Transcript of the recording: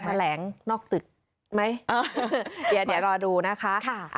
แถลงนอกตึกไหมเออเดี๋ยวเดี๋ยวรอดูนะคะค่ะ